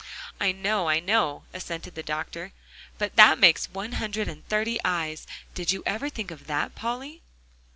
"I know I know," assented the doctor, "but that makes one hundred and thirty eyes. Did you ever think of that, Polly?"